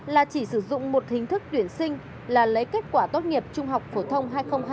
là chỉ sử dụng một hình thức tuyển sinh là lấy kết quả tốt nghiệp trung học phổ thông hai nghìn hai mươi